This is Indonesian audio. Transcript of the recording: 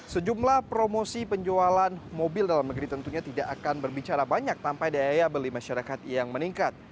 sejumlah promosi penjualan mobil dalam negeri tentunya tidak akan berbicara banyak tanpa daya beli masyarakat yang meningkat